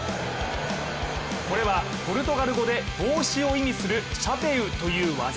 これはポルトガル語で帽子を意味するシャペウという技。